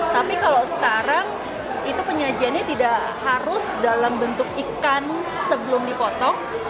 tapi kalau sekarang itu penyajiannya tidak harus dalam bentuk ikan sebelum dipotong